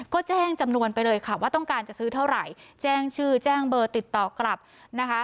ก็แจ้งจำนวนไปเลยค่ะว่าต้องการจะซื้อเท่าไหร่แจ้งชื่อแจ้งเบอร์ติดต่อกลับนะคะ